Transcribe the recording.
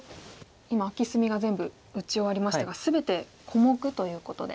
今アキ隅が全部打ち終わりましたが全て小目ということで。